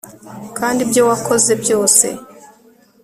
kandi ibyo wakoze byose